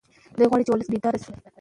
دی غواړي چې ولس بیدار شي.